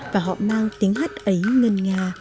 và họ mang tiếng hát ấy ngân nga